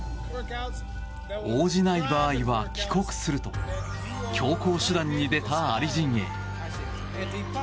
応じない場合は帰国すると強硬手段に出たアリ陣営。